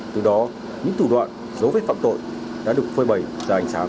từ đó những thủ đoạn giấu vết phạm tội đã được phơi bày ra ánh sáng